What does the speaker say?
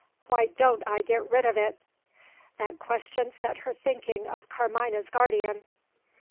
Why don't I get rid of it?" That question set her thinking of Carmina's guardian.